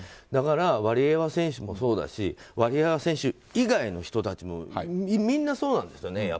だから、ワリエワ選手もそうだしワリエワ選手以外の人たちもみんなそうなんですよね。